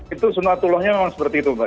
itu sunatullahnya memang seperti itu mbak